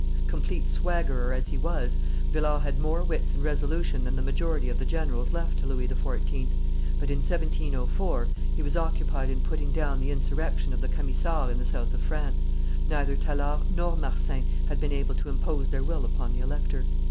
Complete swaggerer as he was, Villars had more wits and resolution than the majority of the generals left to Louis XIV., but in 1704 he was occupied in putting down the insurrection of the Camisards in the south of France: neither Tallard nor Marsin had been able to impose their will upon the elector.